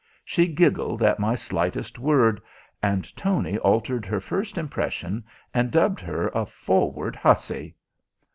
She giggled at my slightest word, and Tony altered her first impression and dubbed her a forward hussy.